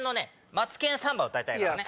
『マツケンサンバ』歌いたいからね。